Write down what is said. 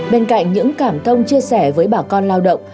bên cạnh những cảm thông chia sẻ với bà con lao động